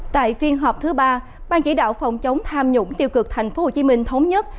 tại phiên họp thứ ba ban chỉ đạo phòng chống tham nhũng tiêu cực tp hcm thống nhất